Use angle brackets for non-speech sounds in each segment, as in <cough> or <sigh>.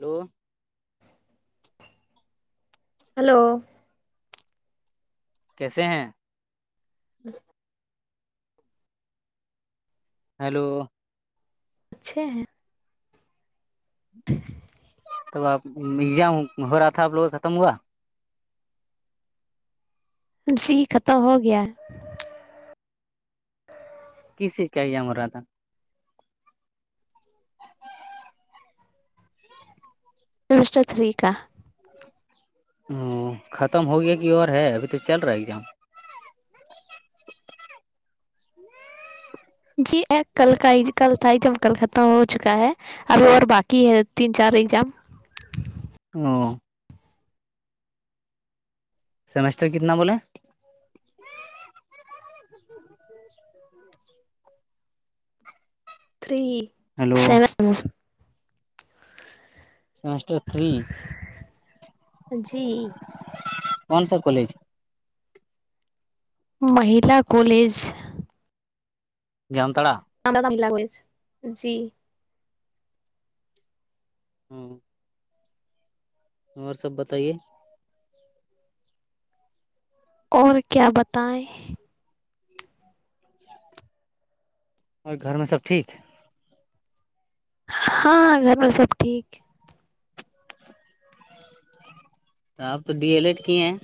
hello hello کیسے ہیں ج <unintelligible> <inaudible> ہیلو اچھے ہیں <inaudible> ٹھیک تب آپ ایگزام ہو رہا تھا آپ لوگ کا ختم ہوا ج ہی ختم ہو گیا کس چیز کاام ہو رہا تھا دش افرییکہ <unintelligible> ہ ختم ہو گیا کی اور ہے ابھی تو چل رہا ہے ایگزام جی ایک کل کا ہی کل تھا ہی جب کل ختم ہو چکا ہے اب اور باقی کہ ہے تین چار ایگزام ہ <unintelligible> <unintelligible> سمیسٹر کتنا بولیں تھری ہیلو سیون سٹر تھری جی کون ساب کالج مہیلا کالج جامتڑا <unintelligible> گو جی <unintelligible> ہاں اور سب بتائیے اور کیا بتائیں اور گھر میں سب ٹھیک ہاں گھر میں سب ٹھیک تو آپ تو ڈی ایل ایڈ کی ہیں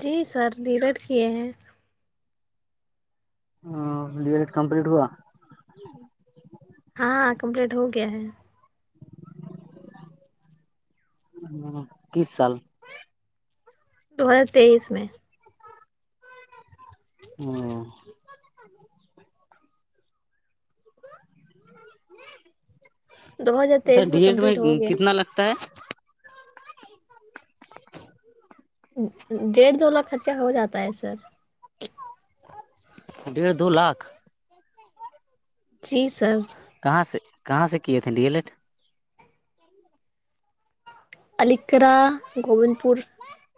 جی سر ڈیلٹ کیے ہیں بی ایڈ کمپلیٹ ہوا ہاں کمپلیٹ ہو گیا ہے کس سال دو ہزار تیئیس میں ہاں دو ہزار اچھا تیئیس ڈی ایٹ میں کمپلیٹ ہو گیا کتنا لگتا ہے <inaudible> <inaudible> ڈیڑھ دو لاکھ خرچہ ہو جاتا ہے سر ڈیڑھ دو لاکھ جی سب کہاں سے کہاں سے کیے تھے ڈیلیٹ علیقڑہ گوبند پور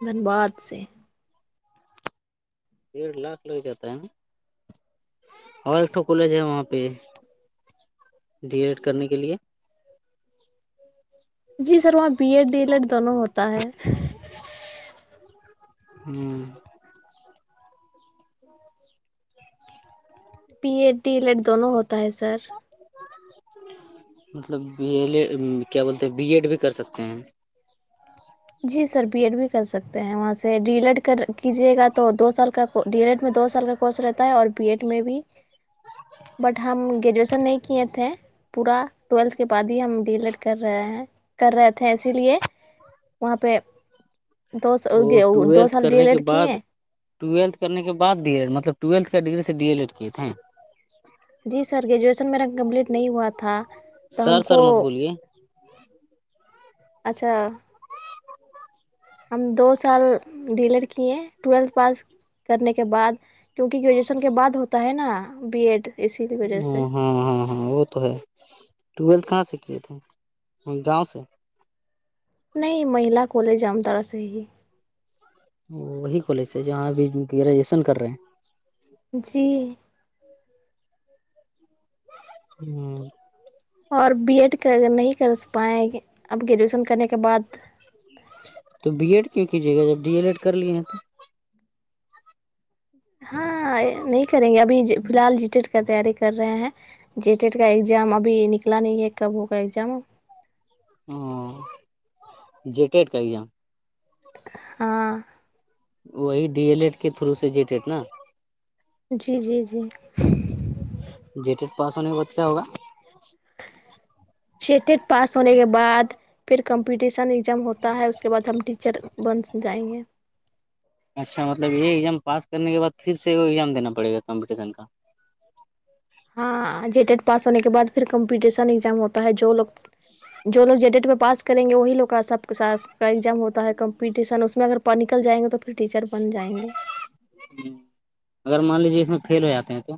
دھنباد سے ڈیڑھ لاکھ لگ جاتا ہے اور ایکٹھا کالج ہے وہاں پہ ڈی ایڈ کرنے کے لیے جی سر وہاں B Ed D El Ed دونوں ہوتا ہے ہوں <unintelligible> پی ای ڈیلیٹ دونوں ہوتا ہے سر سم <inaudible> مطلب بی ایل اے کیا بولتے بی ایڈ بھی کر سکتے ہیں جی سر بی ایڈ بھی کر سکتے ہیں وہاں سے ڈی ایڈ کر کیجیے گا تو دو سال کا ڈی ایل ایڈ میں دو سال کا کورس رہتا ہے اور بی ایڈ میں بھی ج <unintelligible> بٹ ہم گریجویشن نہیں کیے تھے پورا ٹویلتھ کے بعد ہی ہم ڈی ایل ایڈ کر رہے ہیں کر رہے تھے اسی لیے وہاں پہ دو وہ دو سال لی لڑکی ہیں ٹویلتھنے کے بع ڈی ایلڈ مطلب ٹویتھ ڈگری سے ڈی ایل ایڈ کیے تھے جی سر گریجویشن میرا کمپلیٹ نہیں ہوا تھا تو ہم سر سر کو مت بولیے اچھا ہم دو سال ڈیلر کیے ٹویلتھ پاس کرنے کے بعد کیونکہ گریجویشن کے بعد ہوتا ہے نا بی ایڈ اسی کی وجہ ہ سے ہاں ہاں ہاں وہ تو ہے ٹویلتھ کہاں سے کیے تھے گاؤں سے نہیں مہیلا کالجام طرح سے ہی وہ وہی کالج ہے جہاں ابھی گریجویشن کر رہے ہیں جی جی <unintelligible> ہوں <unintelligible> اور بی ایڈ کر نہیں کر پائیں اب گریجویشن کرنے کے بعد جی <unintelligible> تو بی ایڈ کیوں کیجیے گا جب ڈی ایل ایڈ کر لیے ہیں تو ہاں نہیں کریں گے ابھی فی الحال جیٹیٹ کا تیاری کر رہے ہیں جے ٹیڈ کا ایگزام ابھی نکلا نہیں ہے کبوں کا ایگزام ہ جٹیڈ کہ ج ہاں وہی ڈی ایل ایڈ کے تھرو سے جیٹٹ نا جی جی جی جی ٹیڈ پاس ہونے کے بعد کیا ہوگا شٹیٹ پاس ہونے کے بعد پھر کمپٹیشن ایگزام ہوتا ہے اس کے بعد ہم ٹیچر بن جائیں گے اچھا مطلب یہ ایگزام پاسنے کے بعد پھر سے ایگزام دینا پڑ گا کمپٹیشن کا ہاں ج ٹیڈ پاس ہونے کے بد پھر کمپٹیشن ایگام ہوتا ہے جو لوگ جو لوگ جے ڈیٹ میں پاس کریں گے وہی لوگ کا سب س کا ایگزام ہوتا ہے کمپٹیشن اس میں اگر نکل جائیں گے تو پھر ٹیچر بن جائیں گے ہ اگر مان لیجیے اس میں فل ہو جاتے ہیں تو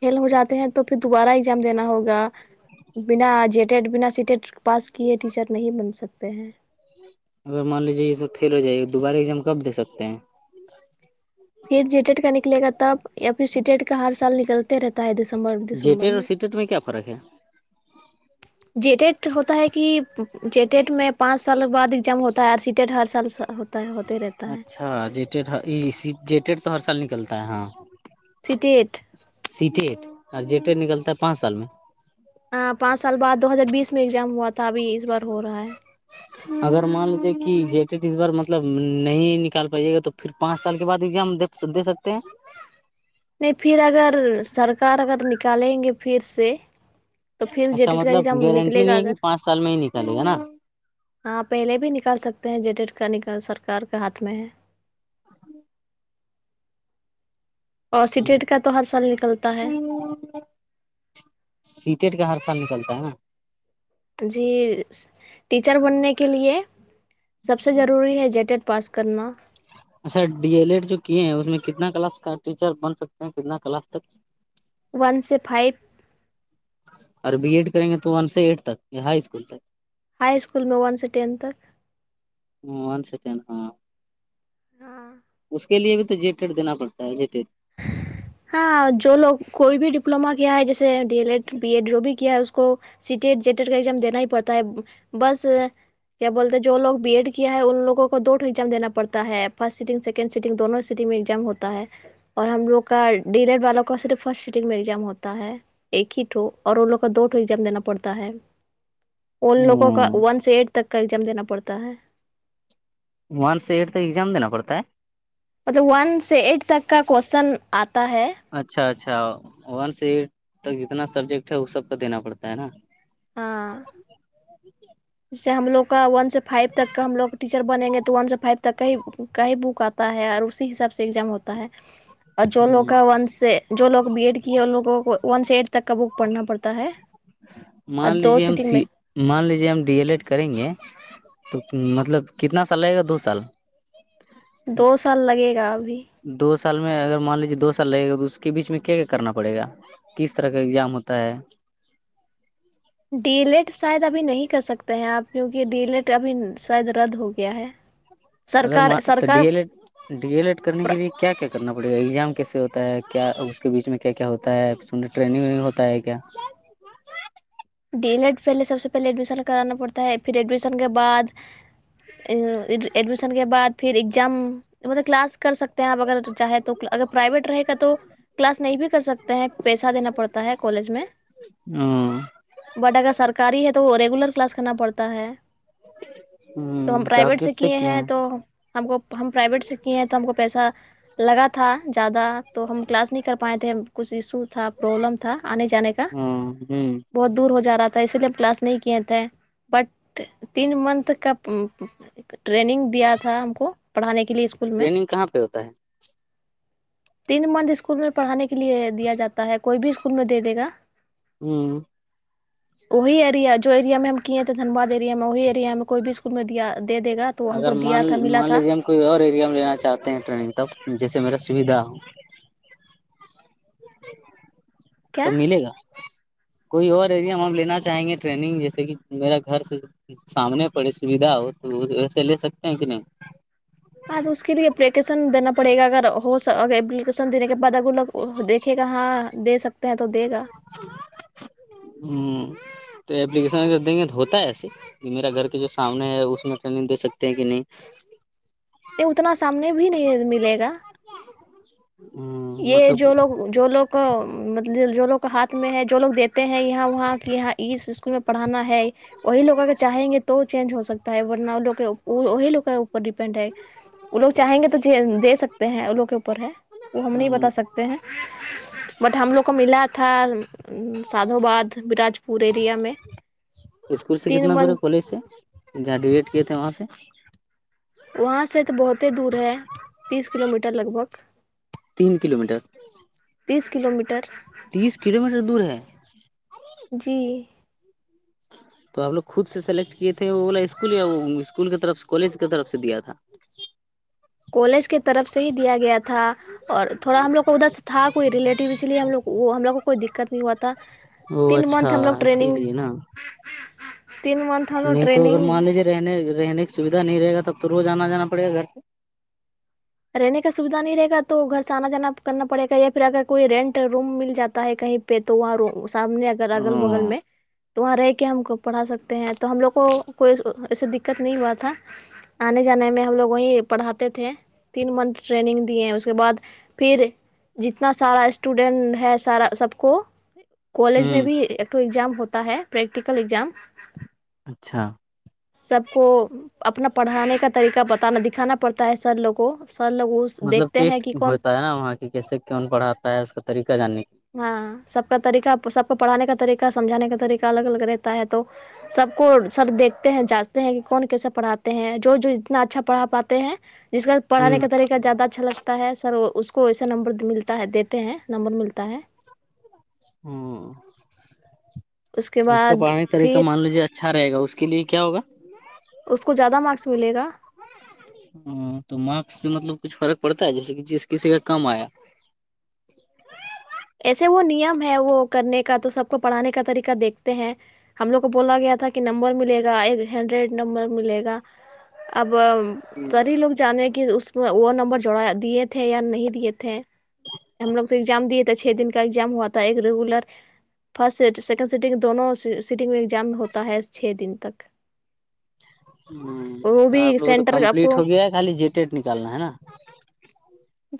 فیل ہو جاتے ہیں تو پھر دوبارہ ایگزام دینا ہوگا بنا جیٹیڈ بنا سیٹیڈ پاس کیے ٹیچر نہیں بن سکتے ہیں اگر مان لیجیے یہ سب فیل ہو جائے گا دوبارہ ایزام کب دے سکتے ہیں پھر جیٹیٹ کا نکلے گا تب یا پھر سیٹیٹ کا ہر سال نکلتے رہتا ہے دسمبر دسمبر میں س میں کیا فرق ہے جے ٹیٹ ہوتا ہے کہ جے ٹیٹ میں پانچ سال بعد ایگزام ہوتا ہے آر سی ٹیٹ ہر سال ط ہوتے رہتا ہے اچھا جیٹیڈ جیٹیڈ تو ہر سال نکلتا ہے ہاں سٹی ایٹ سیٹی اور جیٹ نکلتا ہے پانچ سال میں ہ پانچ سال بعد دو ہزار بیس میں ایگزام ہوا تھا ابھی اس بار ہو رہا ہے اگر مان لیجے کہ جے ٹیٹ اس بار مطلب نہیں نکال پائیے گا تو پھر پانچ سال کے بعد ایزام د س دے سکتے ہیں نہیں پھر اگر سرکار اگر نکالیں گے پھر سے تو پھر اچھا جیٹیٹ کا مطلب ایگزام گارنٹی نکلے گا نہیں ہے اگر کہ پانچ سال میں ہی نکلے گا نا ہاں پہلے بھی نکال سکتے ہیں جے ڈیڈ کا نکال سرکار کے ہاتھ میں ہے اور سٹیٹ کا تو ہر سال نکلتا ہے سیٹیٹ کا ہر سال نکلتا ہے نا جی ٹیچر بننے کے لیے سب سے ضروری ہے جےٹیٹ پاس کرنا اچھا ڈی ایل ایڈ جو کیے ہیں اس میں کتنا کلاس کا ٹیچر بن سکتے ہیں کتنا کلاس تک ون سے فائیو اور بی ایڈ کریں گے تو ون سے ایٹ تک ہائی اسکول تک ہائی اسکول میں ون س سے ٹینت تک ون سے ٹین ہاں ہ <unintelligible> اس کے لیے بھی تو جیٹیڈ دینا پڑتا ہے جیٹیڈ ہاں جو لوگ کوئی بھی ڈپلوما کیا ہے جیسے D El Ed B Ed جو بھی کیا ہے اس کو سیٹیٹ جٹیٹ کا ایگزام دینا ہی پڑتا ہے بس کیا بولتے ہیں جوو بی ایڈ کیا ہے ان لوگ کو دوٹو ایگزام دینا پڑتا ہے فرسٹ سنگ س سنڈ سگ دونوں سیٹگ میںزام ہوتا ہے اور ہم لوگ کا ڈیلڈ والوں کا صرف فرسٹ سیٹنگ میں ایگزام ہوتا ہے ایک ہی ٹو اور ان لوگ کا دو ٹو ایگزام دینا پڑتا ہے ان لوگوں کا ون سے ایٹ تک کا ایگزام دینا پڑتا ہے ون سے ایٹ تک ایگزام دینا پڑتا ہے مطلب ون سے ایٹ تک کا کوشن آتا ہے اچھا اچھا ون س ایٹ تک جتنا سبجیکٹ ہے وہ سب کو دینا پڑتا ہے نا ہاں <unintelligible> جس سے ہم لوگ کا ون سے فائیو تک کا ہم لو ٹیچر بنیں گے تو ون سے فائیو تک کا ہی کا ہی بک آ ہوتا ہے اور اسی حساب سے ایگزام ہوتا ہے <inaudible> اور جو لوگ کا ون سے جو لوگ بی ایڈ کی ہے ان لوگوں کو ون سے ایڈ تک کا بک پڑھنا پڑتا ہے اور مان دو لیجےم سٹنگ میں سید مان لیجیے ہم ڈی ایل ایڈ کریں گے تو مطلب کتنا سال لگے گا دو سال دو سال لگے گا ابھی دو سال میں اگر مان لیجیے دو سال لگے گا تو اس کے بیچ میں کیا کیا کرنا پڑے گا کس طرح کا ایگزام ہوتا ہے ڈی لیٹ شاید ابھی نہیں کر سکتے ہیں آپ کیونکہ ڈی لیٹ ابھی شاید رد ہو گیا ہے اگر م سرکار تو ڈی سرکار ایل ا <unintelligible> ڈی ایل ایڈ کرنے کے لیے کیا کیا کرنا پڑے گا ایگزام کیسے ہوتا ہے کیا اس کے بیچ میں کیا کیا ہوتا ہے س ٹرینگ وگ ہوتا ہے کیا ڈی ایڈ پہلے سب سے پہلے ایڈمیشن کرانا پڑتا ہے پھر ایڈمیشن کے بعد ایڈمیشن کے بعد پھر ایگزام مطلب کلاس کر سک آپ اگر چاہے تو اگر پرائیویٹ رہے گا تو کلاس نہیں بھی کر سکتے ہیں پیسہ دینا پڑتا ہے کالج میں ہ <unintelligible> بٹ اگر سرکاری ہے تو وہ ریگولر کلاس کرنا پڑتا ہے تو ہم پرائیویٹ سے کیے ہیں تو ہم کو ہم پرائیویٹ سے کیے ہیں تو ہم کو پیسہ لگا تھا زیادہ تو ہم کلاس نہیں کر پائے تھے کچھ ایشو تھا پرابلم تھا آنے جانے کا ہ ہ بہت دور ہو جا رہا تھا اسی لیے ہم کلاس نہیں کیے تھے بٹ تین منتھ کا ٹرینگ دیا تھا ہم کو پڑھانے کے لیے اسکول میں ٹریننگ کہاں پہ ہوتا ہے تین منتھ اسکول میں پڑھانے کے لیے دیا جاتا ہے کوئی بھی اسکول میں دے دے گا ہوں وہی ایریا جو ایریا میں ہم کیے تھ دنباد میں وہی ایریا میں کوئی بھی اسکول میں دیا دے دے گا تو ہم کو اگر دیا مان تھا ملا مان تھا لیجیے ہم کوئی اور ایریا میں لینا چاہتے ہیں ٹریننگ تب جیسے میرا سویدھا ہو کیا تب ملے گا کوئی اور ایریا ہم ا لینا چاہیں گے ٹرینگ جیسے کہ میرا گھر سے سامنے پڑی سویدھا ہو تو ویسے لے سکتے ہیں کہت نہیں اس کے لیے اپلیکیشن دینا پڑے گا اگر ہو اپلیکشن دینے کے بعد ا لگ دیکھے گا ہاں دے سکتے ہیں تو دے گا ہ تو اپلیکیشن دیں گے تو ہوتا ہے ایسے میرا گھر کے جو سامنے ہے اس میں ٹریننگ دے سکتے ہیں کہ نہیں نہیں اتنا سامنے بھی نہیں ملے گا کیا یہ جو لوگ جو لوگ ملب جو لوگ ہاتھ میں ہے جو لوگ دیتے ہیں یہاں وہاں کہ یہاں اس اسکول میں پڑانا ہے وہی لوگ اگر چاہیں گے تو چینج ہو سکتے ورنی لو کے اوپر ڈیپینڈ ہے وہ لگ چاہیں گے تو دے سکتے ہیں ان لو کے اوپر ہے وہ ہم نہیں بتا سکتے ہیں بٹ ہم لوگ کو ملا تھا سھوباد براج پور ایریا میں اسکول سے تین کتنا دور ہے منتھ کالج سے جہاں ڈیلیٹ کیے تھے وہاں سے وہاں سے تو بہت ہی دور ہے تیس کلو میٹر لگ بھگ تین کلو میٹر تیس کلو میٹر تیس کلو میٹر دور ہے جی تو آپ لوگ خود سے سلیکٹ کیے تھے وہ والا اسکول یا وہ اسکول کی طرف سے کالج کی طرف سے دیا تھا کالج کی طرف سے ہی دیا گیا تھا اور تھوڑا ہم لوگ کو ادھر سے تھا کوئی ریلیٹیو اسی لیے ہم لوگ کو وہ ہم لوگ کوئی دقت نہیں ہوا تھا او تین اچھا منتھ ہم لوگ اسی ٹریننگ لیے نا تین منتھ ہم لوگ نہیں تو اگر ٹریننگ مان لیجیے رہنے رہنے کی سویدھا نہیں رہ گا تب تو روز آنا جاناڑے گا گھر سے رہنے کا سویدھا نہیں رہے گا تو گھر سے آنا جانا کرنا پڑے گا یا پھر اگر کوئی رینٹ روم مل جاتا ہے کہیں پہ تو وہاں سامنے اگر اگل بغل میں ہوں تو وہاں رہ کے ہم کو پڑھا سکتے ہیں تو ہم لوگ کو کوئی ایسے دقت نہیں ہوا تھا آنے جانے میں ہم لوگ وہیں پڑھاتے تھے تین منتھ ٹریننگ دیے ہیں اس کے بعد پھر جتنا سارا اسٹوڈینٹ ہے سارا سب کو کالج میں بھی ایکٹ ایگزام ہوتا ہے پریکٹیکل ایگزام اچھا سب کو اپنا پڑھانے کا طریقہ بتانا دکھانا پڑتا ہے سر لوگ کو س لگو مطلب ٹیسٹ ہوتا ہے نا وہاں کی کیسے کون پڑھاتا ہے اس کا طریقہ جاننے کی ہاں سب کا طریقہ سب کو پڑھانے کا طریقہ سمجھانے کا طریقہ الگ الگ رہتا ہے تو سب کو سر دیکھتے ہیں جانچتے ہیں کہ کون کیسے پڑھاتے ہیں جو جو اتنا اچھا پڑھا پاتے ہیں جس کا کی پڑھانے کا طریقہ زیادہ اچھا لگتا ہے سر اس کو ویسے نمبر ملتا ہے دیتے ہیں نمبر ملتا تایں ہ اس کے جس کا بعد پڑھانی طریقہ پھر مان لیجیے اچھا اچھا رہے گا اس کے لیے کیا ہوگا اس کو زیادہ مارکس ملے گا ہاں تو مارکس سے مطلب کچھ فرق پڑتا ہے جیسے جس کسی کا کام آیا ایسے وہ نیم ہے وہ کرنے کا تو سب کو پڑھانے کا طریقہ دیکھتے ہیں ہم لوگ کو بولا گیا تھا کہ نمبر ملے گا ایک ہینڈریڈ نمبر ملے گا اب ساری لوگ جانے کہ اس وہ نمبر جوڑا دیے تھے یا نہیں دیے تھے ہم لوگ تو ایگزام دیے تھے چھ دن کا ایگزام ہوا تھا ایک ریگولر فرسٹ س سیکنڈ سیٹگ دونوں سیٹگ میں ایگزام ہوتا ہے چھ دن تک <inaudible> وہ تو بھی آپ لوگ کو تو سینٹر آپ کمپلیٹ کو ہو گیا ہے خالی جیٹیٹ نکالنا ہے نا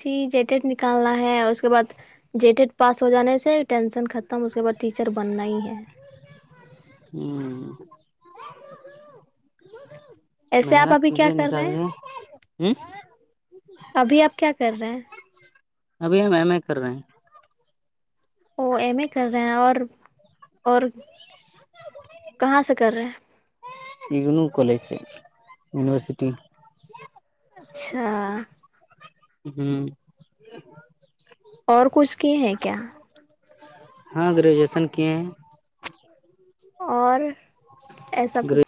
جی جٹیڈ نکالنا ہے اس کے بعد جیٹیڈ پاس ہو جانے سے ٹینشن ختم اس کے بعد ٹیچر بننا ہی ہے ہوں ایسے آپ محنت ابھی کیا کیجیے کر رہے ہیں نکالے ابھی آپ کیا کر رہے ہیں ابھی ہم ایم ا کر رہے ہیں ایم اے کر رہے ہیں اور اور کہاں سے کر رہے ایونوں کالج سے یونیورسیٹی اچھا ہوں اور کچھ کی ہیں کیا ہاں گریجویشن کیے ہیں اور ایسا گر کچھ